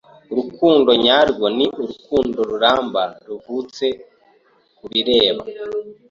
Urukundo nyarwo ni urukundo ruramba ruvutse kubireba